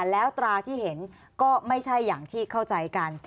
แล้วตราที่เห็นก็ไม่ใช่อย่างที่เข้าใจกัน